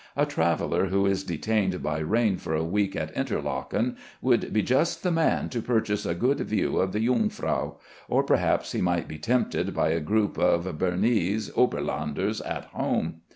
A traveller who is detained by rain for a week at Interlacken would be just the man to purchase a good view of the Jungfrau, or perhaps he might be tempted by a group of Bernese Oberlanders at home.